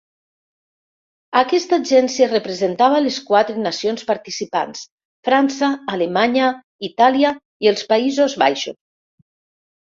Aquesta agència representava les quatre nacions participants: França, Alemanya, Itàlia i els Països Baixos.